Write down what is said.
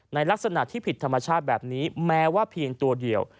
ลักษณะที่ผิดธรรมชาติแบบนี้แม้ว่าเพียงตัวเดียว